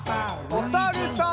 おさるさん。